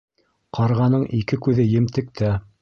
Ҡарғаның ике күҙе емтектә.